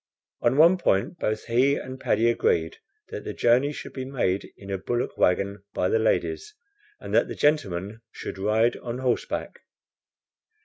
On one point both he and Paddy agreed, that the journey should be made in a bullock wagon by the ladies, and that the gentlemen should ride on horseback.